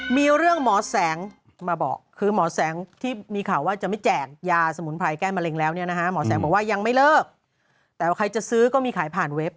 มีเรื่องหมอแสงมาบอกคือหมอแสงที่มีข่าวว่าจะไม่แจกยาสมุนไพรแก้มะเร็งแล้วเนี่ยนะฮะหมอแสงบอกว่ายังไม่เลิกแต่ว่าใครจะซื้อก็มีขายผ่านเว็บ